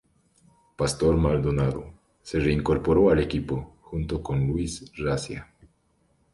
Pastor Maldonado se reincorporó al equipo, junto con Luiz Razia.